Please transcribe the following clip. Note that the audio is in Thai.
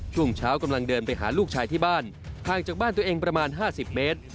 ช่วงเช้ากำลังเดินไปหาลูกชายที่บ้านห่างจากบ้านตัวเองประมาณ๕๐เมตร